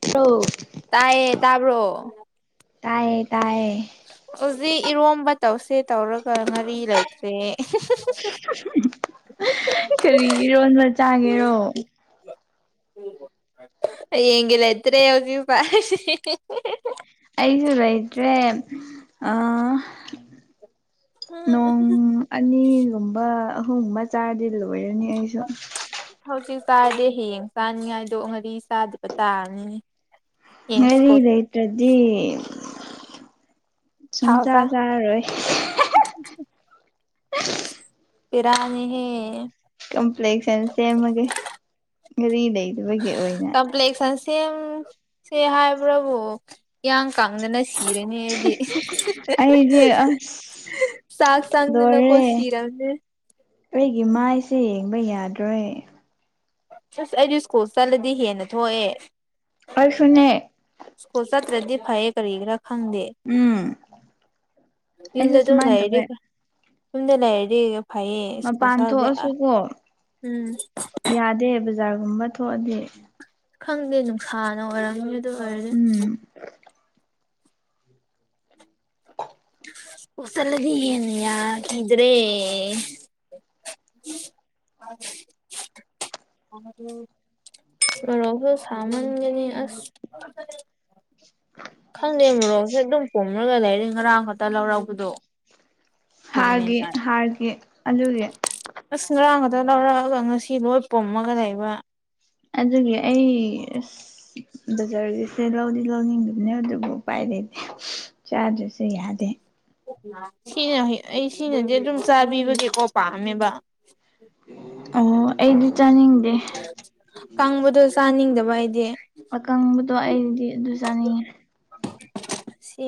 ꯇꯣ [inaudible] ꯇꯥꯏꯌꯦ ꯇꯥꯕ꯭ꯔꯣ ꯇꯥꯏꯌꯦ ꯇꯌꯦ ꯍꯧꯖꯤꯛ ꯏꯔꯣꯝꯕ ꯇꯧꯁꯦ ꯇꯧꯔꯒ ꯉꯥꯔꯤ ꯂꯩꯇ꯭ꯔꯦ ꯀꯔꯤ ꯏꯔꯣꯟꯕ ꯆꯥꯒꯦꯔꯣ ꯌꯦꯒ ꯑꯦꯠꯇ ꯌꯁ ꯄꯔꯁꯦ ꯑꯩꯁꯨ ꯂꯩꯇ꯭ꯔꯦ ꯅꯣꯡ ꯑꯅꯤꯒꯨꯝꯕ ꯑꯍꯨꯝꯒꯨꯝꯕ ꯆꯥꯔꯗꯤ ꯂꯣꯏꯔꯅꯤ ꯑꯩꯁꯨ ꯍꯧꯖꯤꯛ ꯆꯥꯗꯤꯦ ꯍꯌꯦꯡ ꯆꯥꯅꯤꯡꯉꯥꯏꯗꯣ ꯉꯥꯔꯤ ꯆꯥꯗꯕ ꯇꯥꯔꯅꯤ ꯉꯥꯔꯤ ꯂꯩꯇ꯭ꯔꯗꯤ ꯁꯨꯡ ꯆꯥ ꯆꯥꯔꯔꯣꯏ ꯄꯤꯔꯅꯤ ꯀꯝꯄ꯭ꯂꯦꯛꯁꯅ ꯁꯦꯝꯃꯒꯦ ꯒꯥꯔꯤ ꯂꯩꯕꯒꯤ ꯑꯣꯏꯅ ꯀꯝꯄ꯭ꯂꯦꯛꯁꯟ ꯁꯦꯝꯁꯦ ꯍꯥꯏꯕ꯭ꯔꯕꯨ ꯏꯌꯥꯡ ꯀꯅꯅ ꯍꯔꯅꯦ ꯍꯥꯏꯗꯤ ꯑꯩꯗꯤ [unintelligible] ꯑꯁ ꯁꯥꯒ ꯇꯅ ꯂꯣꯏꯔꯦ ꯅꯈꯣꯏ ꯁꯤꯤꯔꯝꯅꯦ ꯑꯩꯒꯤ ꯃꯥꯏꯁꯦ ꯌꯦꯡꯕ ꯌꯥꯗ꯭ꯔꯦ ꯑꯁ ꯑꯩꯗꯤ ꯁ꯭ꯀꯨꯜ ꯆꯠꯂꯗꯤ ꯍꯦꯟꯅ ꯊꯣꯛꯑꯦ ꯑꯩꯁꯨꯅꯦ ꯁ꯭ꯀꯨꯜ ꯆꯠꯇ꯭ꯔꯗꯤ ꯐꯩ ꯀꯔꯤ ꯈꯔꯥ ꯈꯪꯗꯦ ꯎꯝ ꯑꯩꯁꯨ ꯌꯨꯝꯗ ꯑꯗꯨꯝ ꯁꯨꯃꯥꯏꯅ ꯂꯩꯔꯤ ꯇꯧꯋꯦ ꯌꯨꯝꯗ ꯂꯩꯔꯤ ꯐꯌꯦ ꯁꯀꯨꯜ ꯃꯄꯥꯟ ꯆꯗ ꯊꯣꯛꯑꯁꯨꯀꯣ ꯎꯝ ꯌꯥꯗꯦ ꯕꯖꯥꯔꯒꯨꯝꯕ ꯊꯣꯛꯑꯗꯤ ꯈꯪꯗꯦ ꯅꯨꯡꯁꯥꯅ ꯑꯣꯏꯔꯝꯅꯤ ꯑꯗꯨ ꯑꯣꯏꯔꯗꯤ [inaudible] ꯎꯁꯂꯗꯒꯤ ꯌꯦꯟꯅ ꯈꯗ꯭ꯔꯦ [unintelligible] ꯑ [inaudible] ꯔꯣ ꯍ ꯁꯥꯃꯅꯤ ꯑꯁ [unintelligible] ꯈꯪꯗꯦ ꯃꯣꯔꯣꯛꯁꯦ ꯑꯗꯨꯝ ꯄꯣꯝꯂꯒ ꯂꯩꯔꯤ ꯉꯔꯥꯡ ꯈꯛꯇ ꯂꯧꯔꯧꯕꯗꯣ ꯍꯥꯔꯒꯤ ꯍꯥꯔꯒꯤ ꯑꯗꯨꯒꯤ ꯑꯁ ꯉꯔꯥꯡꯒꯗ ꯂꯧꯔꯛꯑꯒ ꯉꯁꯤ ꯂꯣꯏ ꯄꯣꯝꯃꯒ ꯂꯩꯕ ꯑꯗꯨꯒꯤ ꯑꯩ ꯕꯖꯥꯔꯒꯤꯁꯦ ꯂꯧꯗꯤ ꯂꯧꯅꯤꯡ ꯅꯦ ꯑꯗꯨꯕꯨ ꯄꯥꯏꯔꯗꯤ ꯆꯥꯗꯁꯨ ꯌꯥꯗꯦ ꯁꯤꯅ ꯑꯩ ꯁꯤꯅꯗꯤ ꯑꯗꯨꯝ ꯆꯥꯕꯤꯕꯒꯤꯀꯣ ꯄꯥꯝꯃꯦꯕ ꯑꯣ ꯑꯩꯗꯤ ꯆꯥꯅꯤꯡꯗꯦ ꯀꯪꯕꯗꯣ ꯆꯥꯅꯤꯡꯗꯕ ꯍꯥꯏꯗꯤ ꯑꯀꯪꯕꯗꯣ ꯑꯩꯗꯤ ꯑꯗꯨ ꯆꯥꯅꯤꯡꯉꯦ ꯁꯤ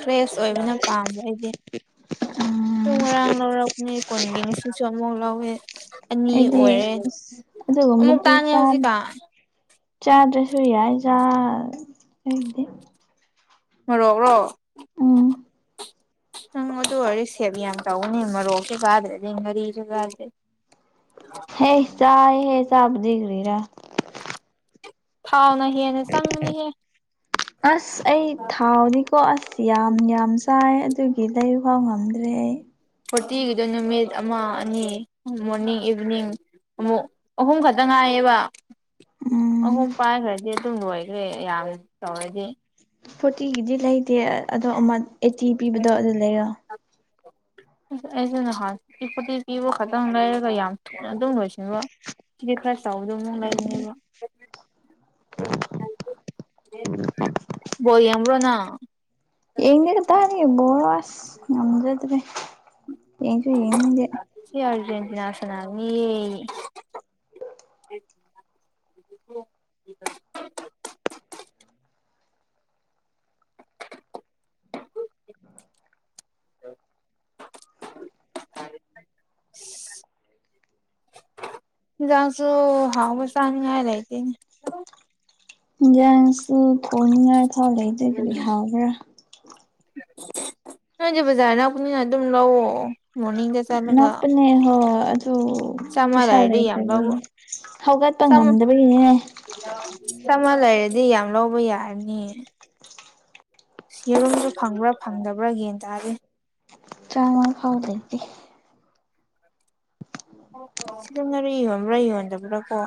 ꯐ꯭ꯔꯦꯁ ꯑꯣꯏꯕꯅ ꯄꯥꯝꯕ ꯑꯩꯗꯤ ꯁꯨꯝ ꯎꯝ ꯉꯔꯥꯡ ꯂꯧꯔꯛꯅꯤ ꯀꯨꯣꯟꯒꯤ ꯅꯤꯡꯁꯤꯡꯁꯨ ꯑꯃꯥꯎ ꯂꯧꯥꯎꯋꯦ ꯑꯅꯤ ꯑꯩꯗꯤ ꯑꯣꯏꯔꯦ ꯑꯁ ꯑꯃꯨꯛ ꯑꯗꯨꯒꯨꯝꯕꯗꯨ ꯇꯥꯡꯉꯦ ꯍꯧꯖꯤꯛꯀ ꯆꯥꯗ꯭ꯔꯁꯨ ꯌꯥꯏꯗ ꯑꯩꯗꯤ ꯃꯔꯣꯛꯔꯣ ꯎꯝ ꯅꯪ ꯑꯗꯨ ꯑꯣꯏ ꯁꯦꯕ ꯌꯥꯝ ꯇꯧꯅꯤ ꯃꯔꯣꯛꯁꯨ ꯆꯥꯗ꯭ꯔꯗꯤ ꯉꯥꯔꯤꯁꯨ ꯆꯥꯗ꯭ꯔꯗꯤ ꯍꯦ ꯆꯥꯏ ꯍꯦ ꯆꯥꯕꯗꯤꯈꯔꯤꯔꯥ ꯊꯥꯎꯅ ꯍꯦꯟꯅ ꯆꯪꯕꯅꯤꯍꯦ ꯑꯁ ꯑꯩ ꯊꯥꯎꯗꯤ ꯀꯣ ꯑꯁ ꯌꯥꯝ ꯌꯥꯝ ꯆꯥꯏ ꯑꯗꯨꯒꯤ ꯂꯩ ꯐꯥꯎ ꯉꯝꯗ꯭ꯔꯦ ꯐꯣꯔꯇꯤꯒꯤꯗ ꯅꯨꯃꯤꯠ ꯑꯃ ꯑꯅꯤ ꯃꯣꯔꯅꯤꯡ ꯏꯚꯤꯅꯤꯡ ꯑꯃꯨꯛ ꯑꯍꯨꯝ ꯈꯛꯇ ꯉꯥꯏꯌꯦꯕ ꯎꯝ ꯑꯍꯨꯝ ꯄꯥꯏꯈ꯭ꯔꯗꯤ ꯑꯗꯨꯝ ꯂꯣꯏꯈ꯭ꯔꯦ ꯌꯥꯝ ꯇꯧꯔꯗꯤ ꯐꯣꯔꯇꯤꯒꯤꯗꯤ ꯂꯩꯇꯦ ꯑꯗꯣ ꯑꯃ ꯑꯩꯠꯇꯤ ꯄꯤꯕꯗꯣ ꯑꯁ ꯑꯗꯨ ꯂꯩꯔꯣ ꯑꯩꯁꯨ ꯅꯍꯥꯟ ꯊꯔ꯭ꯤ ꯐꯣꯔꯇꯤ ꯄꯤꯕꯨ ꯈꯛꯇꯪ ꯂꯩꯔꯒ ꯌꯥꯝ ꯑꯗꯨꯝ ꯂꯣꯏꯁꯤꯕ ꯁꯤꯗꯤ ꯈꯔ ꯆꯥꯎꯕꯗ ꯑꯃꯨꯛ ꯂꯩꯔꯤꯅꯦꯕ ꯕꯣꯜ ꯌꯥꯡꯕ꯭ꯔꯣ ꯅꯪ ꯌꯦꯡꯗꯦꯒ ꯇꯅꯤ ꯣꯔꯋꯥꯁ ꯅꯝꯖꯗꯦ ꯌꯦꯁꯨ ꯌꯦꯡꯅꯤꯉ [unintelligible] ꯌꯥꯎꯦꯟꯇꯅꯥꯁꯅ ꯃꯤ [unintelligible] ꯆꯤꯟꯖꯥꯛꯁꯨ ꯍꯥꯎꯕ ꯆꯥꯅꯤꯉꯥꯏ ꯂꯩꯇꯦꯅꯦ ꯏꯟꯁꯥꯡꯁꯨ ꯊꯣꯡꯅꯤꯡꯉꯥꯏ ꯐꯥꯎ ꯂꯩꯇꯔ꯭ꯗꯤ ꯍꯥꯎꯕ꯭ꯔꯥ ꯅꯣꯏꯗꯤ ꯕꯖꯥꯔꯅꯄꯅꯤꯅ ꯑꯗꯨꯝ ꯂꯥꯎꯑꯣ ꯅꯛꯄꯥꯅꯦ ꯍꯣꯏ ꯑꯗꯨ ꯆꯥꯝꯃ ꯄꯩꯁꯥ ꯂꯩꯔꯗꯤ ꯌꯥꯝ ꯂꯩꯇꯗꯤ ꯂꯧꯕ ꯍꯧꯒꯠꯄ ꯉꯝꯗꯕꯒꯤꯅꯦ ꯆꯥꯃꯥ ꯂꯩꯔꯗꯤ ꯌꯥꯝ ꯂꯧꯕ ꯌꯥꯔꯅꯤ ꯌꯦꯔꯨꯝꯁꯨ ꯐꯪꯕ꯭ꯔꯥ ꯐꯪꯗꯕ꯭ꯔꯥ ꯌꯦꯟ ꯇꯥꯔꯦ ꯆꯥꯃꯥ ꯐꯥꯎ ꯂꯩꯇꯦ ꯁꯤꯗ ꯉꯥꯔꯤ ꯌꯣꯟꯕ꯭ꯔꯥ ꯌꯍꯣꯟꯗꯕ꯭ꯔꯥ ꯀꯣ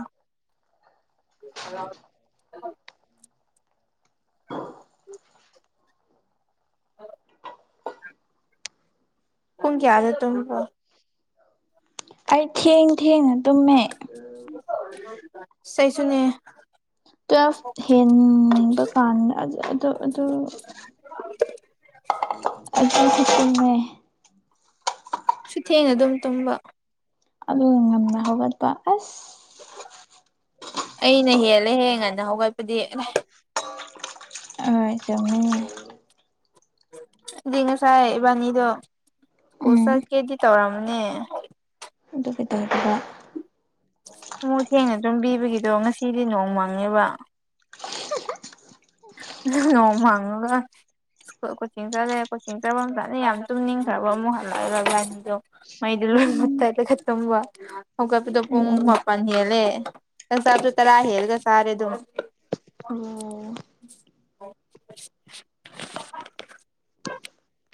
[inaudible] ꯑ ꯄꯨꯡ ꯀꯌꯥꯗ ꯇꯨꯝꯕ ꯑꯩ ꯊꯦꯡ ꯊꯦꯡꯅ ꯇꯨꯝꯃꯦ ꯁꯩꯁꯨꯅꯦ ꯇ ꯍꯦꯟꯗ ꯇꯥꯟ ꯑꯗꯣ ꯑꯗꯨ [unintelligible] ꯑꯗꯨꯁꯨ ꯇꯨꯝꯃꯦ ꯁꯨꯊꯦꯡꯅ ꯑꯗꯨꯝ ꯇꯨꯝꯕ ꯑꯗꯨ ꯉꯟꯅ ꯍꯧꯒꯠꯄ ꯑꯁ ꯑꯩꯅ ꯍꯦꯜꯂꯦꯍꯦ ꯉꯟꯅ ꯍꯧꯒꯠꯄꯗꯤ [unintelligible] ꯑꯗꯨꯗꯤ ꯉꯁꯥꯏ ꯏꯕꯥꯅꯤꯗꯣ ꯁ꯭ꯀꯨꯜ ꯎꯝ ꯆꯠꯀꯦꯗꯤ ꯇꯧꯔꯝꯅꯦ ꯑꯗꯨ ꯀꯩꯗꯧꯔꯒꯦꯕꯥ ꯃꯨ ꯊꯦꯡꯅ ꯑꯗꯨꯨꯝꯕꯤꯕꯒꯤꯗꯣ ꯉꯁꯤꯗꯤ ꯅꯣꯡ ꯃꯪꯉꯦꯕ ꯍꯃꯥꯡꯉ ꯀꯣꯆꯤꯡ ꯆꯠꯂꯦ ꯀꯣꯆꯤꯡ ꯆꯠꯄ ꯃꯇꯝꯅ ꯌꯥꯝ ꯇꯨꯝꯅꯤꯡꯈ꯭ꯔꯕ ꯑꯃꯨꯛ ꯍꯜꯂꯛꯑꯦꯕ ꯂꯥꯏꯟꯗꯣ ꯃꯩꯗꯣ ꯂꯣꯏ ꯃꯨꯠꯊꯠꯂꯒ ꯇꯨꯝꯝꯕ ꯍꯧꯒꯠꯄꯗꯣ ꯄꯨꯡ ꯂꯣꯛꯑꯦ ꯃꯥꯄꯜ ꯍꯦꯜꯂꯦ ꯆꯪꯁꯥꯕꯗ ꯇꯔꯥ ꯍꯦꯜꯂꯒ ꯆꯔꯦ ꯑꯗꯨꯝ ꯑꯣ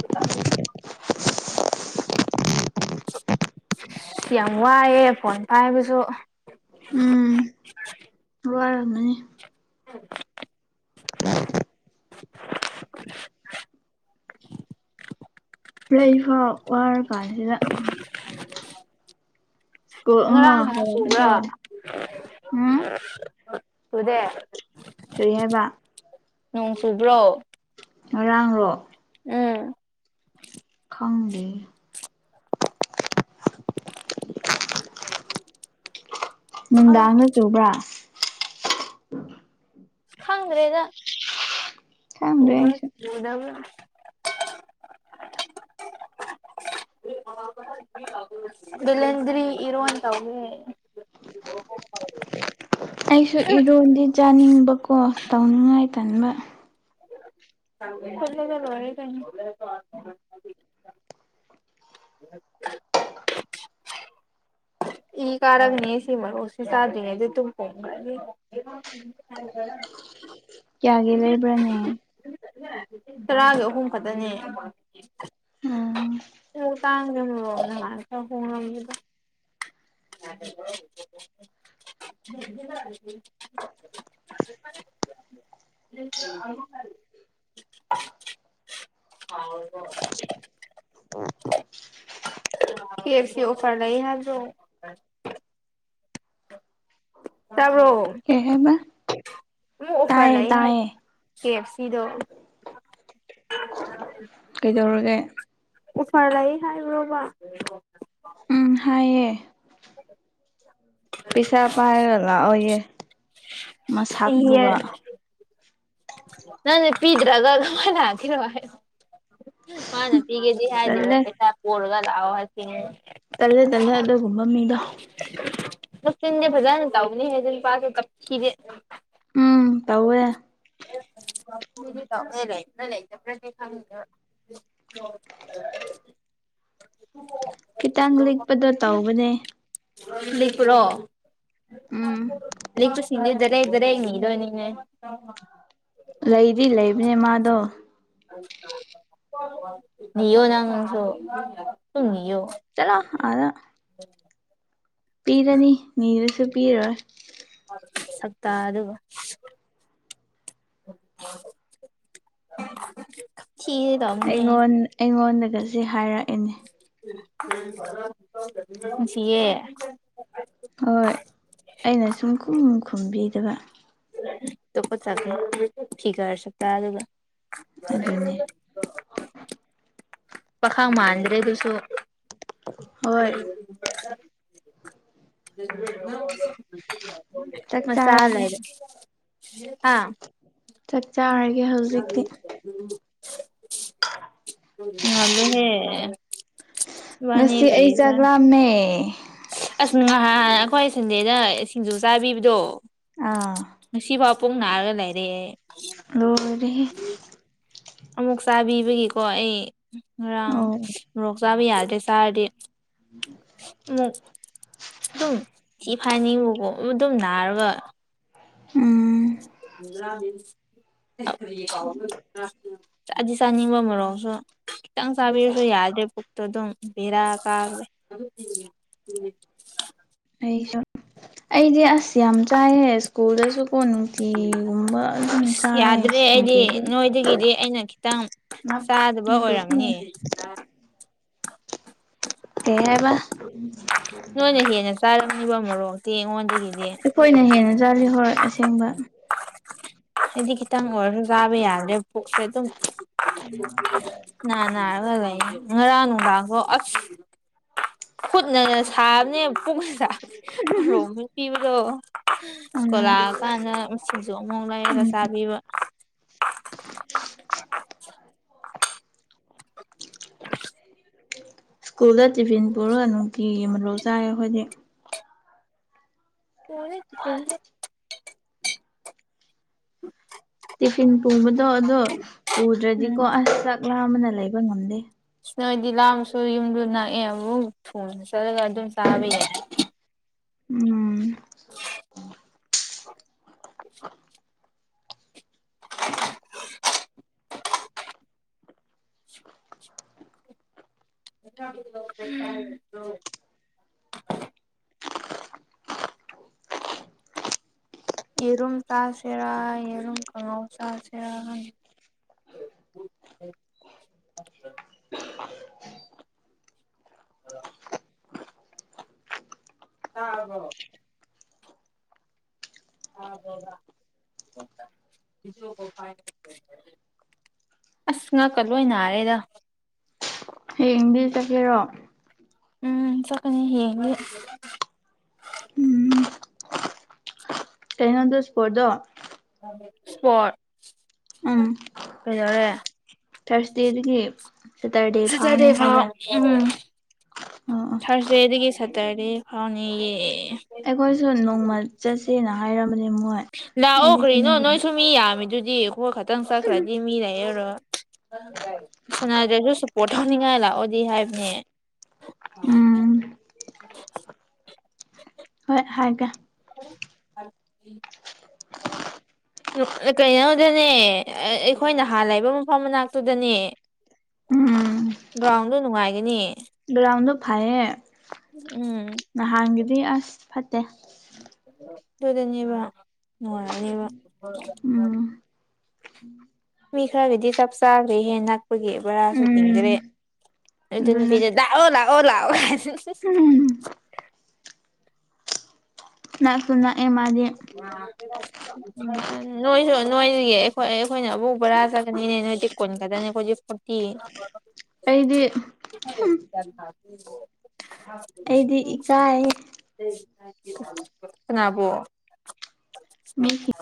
[inaudible] ꯎꯝ [inaudible] ꯑ ꯌꯥꯝ ꯋꯥꯏꯑꯦ ꯐꯣꯟ ꯄꯥꯏꯕꯁꯨ ꯂꯔ ꯑꯃꯅꯤꯅꯤ ꯎꯝ [inaudible] ꯂꯩꯕ ꯋꯥꯔ ꯀꯥꯟꯁꯤꯗ ꯁ꯭ꯀꯨꯜ ꯑꯃ ꯉꯔꯥꯡ ꯅ ꯁꯨꯕ꯭ꯔꯣ ꯍꯜꯂꯛꯄꯗꯣ ꯎꯝ ꯁꯨꯗꯦ ꯀꯔꯤ ꯍꯥꯏꯕ ꯅꯣꯡ ꯆꯨꯕ꯭ꯔꯣ ꯉꯔꯥꯡꯔꯣ ꯎꯝ ꯈꯪꯗꯦ ꯑꯂ ꯅꯨꯡꯗꯥꯡꯒ ꯆꯨꯕ꯭ꯔꯥ ꯈꯪꯗ꯭ꯔꯦꯗ ꯈꯪꯗ꯭ꯔꯦ ꯍꯁ ꯑꯩꯁꯨ ꯌꯎꯗꯥꯕ ꯕꯤꯂꯦꯟꯗꯔꯤ ꯏꯔꯣꯟꯟ ꯇꯧꯋꯦ ꯑꯩꯁꯨ ꯏꯔꯣꯟꯗꯤ ꯆꯥꯅꯤꯡꯕꯀꯣ ꯇꯧꯅꯤꯡꯉꯥꯏ ꯇꯟꯕ ꯐꯗ ꯔꯦ ꯀ ꯍꯝ [inaudible] ꯏ ꯀꯥꯛꯅꯦ ꯁꯤ ꯃꯔ ꯍꯁꯥꯗꯤꯅꯦꯗꯤ ꯇꯨꯝ ꯄꯥꯎ ꯒ [inaudible] ꯀꯌꯥꯒꯤ ꯂꯩꯕ꯭ꯔꯥꯅꯦ ꯇꯔꯥꯒꯤ ꯑꯍꯨꯝ ꯈꯛꯇꯅꯦ ꯎꯝ ꯎ ꯇꯥꯡ ꯃꯥꯅ ꯍꯗ [unintelligible] ꯑ [inaudible] ꯍ [inaudible] [inaudible] ꯍꯥꯎ ꯍ ꯐꯁꯤ ꯑꯣꯐꯔ ꯂꯩ ꯍꯥꯏꯗꯣ ꯇꯥꯕ꯭ꯔꯣ ꯀꯩ ꯍꯥꯏꯕꯥ ꯑꯃꯨꯛ ꯑꯣꯐꯔ ꯂꯩ ꯍꯥꯏ ꯀꯦ ꯑꯦꯐ ꯁꯤꯗꯣ ꯀꯩꯗꯧꯔꯒꯦ ꯑꯣꯐꯔ ꯂꯩ ꯍꯥꯏꯕ꯭ꯔꯣꯕ ꯎꯝ ꯍꯥꯏꯌꯦ ꯄꯩꯁꯥ ꯄꯥꯏꯔꯒ ꯂꯥꯛꯑꯣꯌꯦꯦ ꯃꯁꯛꯇꯨꯕ ꯅꯪ ꯄꯤꯗ꯭ꯔꯒ [unintelligible] ꯃꯥꯅ ꯄꯤꯒꯦꯗꯤ ꯇꯜꯂꯦ ꯍꯥꯏꯗꯦꯕ ꯄꯩꯁꯥ ꯄꯨꯔꯒ ꯂꯥꯛꯑꯣ ꯍꯥꯁꯤ ꯇꯜꯂꯦ ꯇꯜꯂꯦ ꯑꯗꯨꯒꯨꯝꯕ ꯃꯤꯗꯣ ꯤꯟꯗꯦ ꯐꯖ ꯇꯅꯤ ꯍ ꯑꯗꯨ ꯄꯥꯦ ꯎꯝ ꯇꯧꯋꯦ꯫ [inaudible] [unintelligible] ꯈꯤꯇꯪ ꯂꯤꯛꯄꯗꯣ ꯇꯧꯕꯅꯦ ꯂꯤꯛꯄ꯭ꯔꯣ ꯎꯝ ꯂꯤ ꯆ ꯁꯤꯗꯔꯦ ꯏꯔꯦ ꯌꯦꯅꯤꯗꯣꯅꯤꯅꯦ꯫ ꯂꯩꯗꯤ ꯂꯩꯕꯅꯦ ꯃꯥꯗꯣ ꯅꯤꯑꯣ ꯅꯪꯁꯨ ꯗꯨꯝ ꯅꯤꯑꯣ ꯆꯠꯂꯣ ꯑꯗ ꯄꯤꯔꯅꯤ ꯅꯤꯔꯁꯨ ꯄꯤꯔꯣꯏ ꯁꯛꯇꯥ ꯑꯗꯨꯒ ꯊꯤꯌꯦ ꯑꯩꯉꯣꯟ ꯑꯩꯉꯣꯟꯗꯒꯁꯤ ꯍꯥꯏꯔꯛꯑꯏꯅꯦ꯫ ꯅꯨꯡꯁꯤꯌꯦ꯫ ꯍꯣꯏ ꯑꯩꯅ ꯁꯨꯝ ꯈꯨꯝ ꯈꯨꯝꯕꯤꯗꯕ ꯑꯇꯣꯞꯄ ꯆꯥꯁꯜꯂꯨꯅꯨ ꯐꯤꯒꯔꯖꯨ ꯇꯥꯅꯕ ꯑꯗꯨꯅꯦ ꯄꯥꯈꯪ ꯃꯥꯟꯗ꯭ꯔꯦ ꯑꯗꯨꯁꯨ ꯍꯣꯏ ꯆꯥꯛ ꯃꯆꯥ ꯆꯥꯔꯒꯦ ꯂꯩꯔꯦ꯫ ꯍꯥ ꯆꯥꯛ ꯆꯥꯔꯒꯦ ꯍꯧꯖꯤꯛꯇꯤ ꯉꯜꯂꯦꯍꯦ ꯉꯁꯤ ꯑꯩ ꯆꯥꯛ ꯂꯝꯃꯦ꯫ ꯑꯁ ꯉꯍꯥꯟ ꯑꯩꯈꯣꯏ ꯁꯟꯗꯦꯅ ꯁꯤꯡꯖꯨ ꯆꯥꯕꯤꯕꯗꯣ ꯑꯥ ꯉꯁꯤ ꯐꯥꯎ ꯄꯨꯡ ꯅꯥꯔꯒ ꯂꯩꯔꯦ ꯑꯩ ꯂꯣꯏꯔꯦꯍꯦ ꯑꯃꯨꯛ ꯆꯥꯕꯤꯕꯒꯤꯀꯣ ꯑꯩ ꯉꯔꯥꯡ ꯑꯣ ꯃꯣꯔꯣꯛ ꯆꯥꯕ ꯌꯥꯗ꯭ꯔꯦ ꯆꯥꯔꯗꯤ ꯑꯗꯨꯝ ꯊꯤ ꯐꯥꯏꯅꯤꯡꯕꯀꯣ ꯑꯗꯨꯝ ꯅꯥꯔꯒ ꯎꯝ [unintelligible] ꯆꯥꯗꯤ ꯆꯥꯅꯤꯡꯕ ꯃꯣꯔꯣꯛꯁꯨ ꯈꯤꯇꯪ ꯆꯥꯕꯤꯔꯁꯨ ꯌꯥꯗ꯭ꯔꯦ ꯄꯨꯛꯇꯨ ꯑꯗꯨꯝ ꯕꯦꯔꯥ ꯀꯥꯈ꯭ꯔꯦ꯫ ꯑꯩꯁꯨ ꯑꯩꯗꯤ ꯑꯁ ꯌꯥꯝ ꯆꯥꯏꯌꯦ ꯁ꯭ꯀꯨꯜꯗꯁꯨ ꯀꯣ ꯅꯨꯡ ꯊꯤꯒꯨꯝꯕ ꯑꯗꯨꯝ ꯆꯥꯏꯌꯦ ꯌꯥꯗ꯭ꯔꯦ ꯑꯩꯗꯤ ꯁꯤꯗꯤ ꯅꯣꯏꯗꯒꯤꯗꯤ ꯑꯩꯅ ꯈꯤꯇꯪ ꯆꯥꯗꯕ ꯑꯣꯏꯔꯝꯅꯤ [unintelligible] ꯀꯩ ꯍꯥꯏꯕ ꯅꯣꯏꯅ ꯍꯦꯟꯅ ꯆꯥꯔꯕ ꯃꯔꯣꯛꯇꯦ ꯑꯩꯉꯣꯟꯗꯒꯤ ꯑꯩꯈꯣꯏꯅ ꯍꯦꯟꯅ ꯆꯥꯠꯂꯤ ꯍꯣꯏ ꯑꯁꯦꯡꯕ ꯍꯥꯏꯗꯤ ꯈꯤꯇꯪ ꯑꯣꯏꯔꯁꯨ ꯆꯥꯕ ꯌꯥꯗ꯭ꯔꯦ ꯄꯨꯛꯁꯦ ꯑꯗꯨꯝ [inaudible] ꯉꯥꯔꯪ ꯅꯨꯗꯥꯡꯐꯎ ꯑꯁ ꯈꯨꯠꯅꯒ ꯁꯥꯕꯅꯦ ꯄꯨꯛꯅ ꯁꯥꯕꯅꯦ ꯃꯣꯔꯣꯛ ꯄꯤꯕꯗꯣ ꯑꯗꯨꯅ ꯁꯀꯣꯜ ꯂꯥꯛꯑ ꯀꯥꯟꯗ ꯁꯤꯁꯨ ꯑꯃꯨꯥꯎ ꯂꯩꯔꯒ ꯎꯝ ꯆꯥꯕꯤꯕ ꯁ꯭ꯀꯨꯜꯗ ꯇꯤꯐꯤꯟ ꯄꯨꯔꯒ ꯅꯨꯡꯇꯤꯒꯤ ꯃꯔꯣꯜ ꯆꯥꯏ ꯑꯩꯈꯣꯏꯗꯤ [unintelligible] ꯇꯤꯐꯤꯟ ꯄꯨꯕꯗꯣ ꯑꯗꯣ ꯄꯨꯗ꯭ꯔꯗꯤꯀꯣ ꯑꯁ ꯆꯥꯛꯂꯥ ꯑꯃꯅ ꯂꯩꯕ ꯉꯝꯗꯦ꯫ ꯅꯣꯏꯗꯤ ꯂꯥꯡꯁꯨ ꯌꯨꯝꯗꯨ ꯅꯛꯑꯦ ꯑꯃꯨꯛ ꯊꯨꯅ ꯆꯠꯂꯒ ꯑꯗꯨꯝ ꯆꯥꯕ ꯌꯥꯏ꯫ ꯎꯝ [inaudible] [inaudible] ꯌꯦꯔꯨꯝ ꯆꯥꯁꯤꯔꯥ ꯌꯦꯔꯨꯝ ꯈꯪꯉꯧ ꯆꯥꯁꯤꯔꯥ ꯈꯪꯗꯦ꯫ [unintelligible] [unintelligible] [unintelligible] [unintelligible] ꯑꯁ ꯉꯥꯛꯀ ꯂꯣꯏ ꯅꯥꯔꯦꯗ ꯍꯥꯌꯦꯡꯗꯩꯩ ꯆꯠꯁꯤꯔꯣ ꯎꯝ ꯆꯠꯀꯅꯤ ꯍꯌꯦꯡꯗꯤ ꯀꯩꯅꯣꯗꯨ ꯁꯄꯣꯔꯠꯗꯣ ꯁꯄꯣꯔꯠ ꯀꯩꯗꯧꯔꯦ ꯊꯔꯁꯗꯦꯗꯒꯤ ꯁꯦꯇꯔꯗꯦ ꯐꯥꯎ ꯎꯝ ꯑꯣ ꯑꯣ ꯊꯔꯁꯗꯦꯗꯒꯤ ꯁꯇꯔꯗꯦ ꯐꯥꯎꯅꯦꯌꯦ ꯑꯩꯈꯣꯏꯁꯨ ꯅꯣꯡꯃ ꯆꯠꯁꯦꯅ ꯍꯥꯏꯔꯝꯕꯅꯦ ꯃꯣꯏ ꯂꯥꯛꯑꯣ ꯑꯩꯗꯤ ꯀꯔꯤꯅꯣ ꯆꯠꯅꯤꯡꯗꯕ ꯅꯣꯏꯁꯨ ꯃꯤ ꯌꯥꯝꯃꯤꯗꯨꯗꯤ ꯑꯩꯈꯣꯏ ꯈꯛꯇꯪ ꯆꯠꯈ꯭ꯔꯗꯤ ꯃꯤ ꯂꯩꯔꯔꯣ ꯁꯥꯟꯅꯗ꯭ꯔꯁꯨ ꯁꯄꯣꯔꯠ ꯊꯧꯅꯤꯡꯉꯥꯏ ꯂꯥꯛꯑꯣꯗꯤ ꯍꯥꯏꯕꯅꯦ [inaudible] ꯎꯝ ꯍꯣꯏ ꯍꯥꯏꯒꯦ [inaudible] ꯀꯩꯅꯣꯗꯅꯦ ꯑꯩꯈꯣꯏ ꯅꯍꯥꯟꯅ ꯂꯩꯕ ꯃꯐꯝ ꯃꯅꯥꯛꯇꯨꯗꯅꯦ ꯎꯝ ꯒ꯭ꯔꯥꯎꯟꯗꯣ ꯅꯨꯡꯉꯥꯏꯒꯅꯤ ꯒ꯭ꯔꯥꯎꯟꯗꯣ ꯐꯩꯌꯦ ꯎꯝ ꯅꯍꯥꯟꯒꯤꯗꯤ ꯑꯁ ꯐꯠꯇꯦ ꯑꯗꯨꯗꯅꯦꯕ ꯅꯨꯡꯉꯥꯏꯔꯅꯦꯕ ꯎꯝ [inaudible] ꯃꯤ ꯈꯔꯒꯤꯗꯤ ꯆꯞ ꯆꯥꯈ꯭ꯔꯦꯍꯦ ꯅꯛꯄꯒꯤ ꯕꯔꯥꯁꯨ ꯎꯝ ꯇꯤꯡꯗ꯭ꯔꯦ ꯑꯗꯨ ꯑꯗꯨꯅꯦ ꯅꯨꯄꯤꯗ ꯑꯣ ꯂꯥꯛꯑꯣ ꯂꯥꯛꯑꯣ ꯎꯝ ꯅꯛꯁꯨ ꯅꯛꯑꯦ ꯃꯥꯗꯤ [unintelligible] ꯎꯝ ꯅꯣꯏꯁꯨ ꯅꯣꯏꯗꯒꯤ ꯑꯩꯈꯣꯏ ꯑꯩꯈꯣꯏꯅ ꯑꯃꯨꯛ ꯕꯣꯔꯥ ꯆꯠꯀꯅꯤꯅꯦ ꯅꯣꯏꯗꯤ ꯀꯨꯟ ꯈꯛꯇꯅꯤ ꯑꯩꯈꯣꯏꯗꯤ ꯐꯣꯔꯇꯤ [unintelligible] ꯑꯩꯗꯤ ꯆ ꯑꯩꯗꯤ ꯏꯀꯥꯏꯌꯦ ꯀꯅꯥꯕꯨ ꯃꯤ [inaudible]